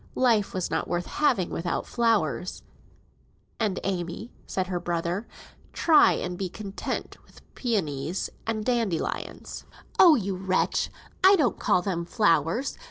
Life was not worth having without flowers. "Then, Amy," said her brother, "try and be content with peonies and dandelions." "Oh, you wretch! I don't call them flowers.